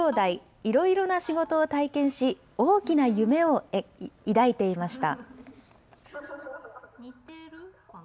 いろいろな仕事を体験し、大きな夢を抱いていました。